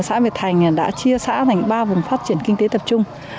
xã việt thành đã chia xã thành ba vùng phát triển kinh tế tập trung